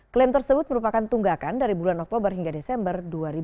klaim tersebut merupakan tunggakan dari bulan oktober hingga desember dua ribu dua puluh